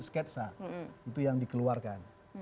sketsa itu yang dikeluarkan